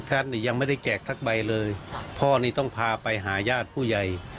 ท่านนี่ยังไม่ได้แจกสักใบเลยพ่อนี่ต้องพาไปหาญาติผู้ใหญ่